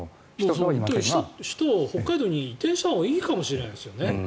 首都を北海道に移転したほうがいいかもしれないですね。